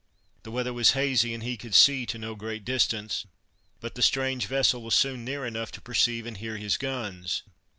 The weather was hazy, and he could see to no great distance, but the strange vessel was soon near enough to perceive and hear his guns.